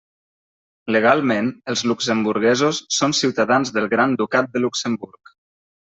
Legalment, els luxemburguesos són ciutadans del Gran Ducat de Luxemburg.